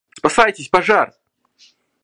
Спасайтесь, пожар!